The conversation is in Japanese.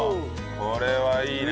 これはいいね。